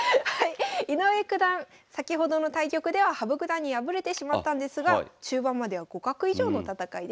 井上九段先ほどの対局では羽生九段に敗れてしまったんですが中盤までは互角以上の戦いでした。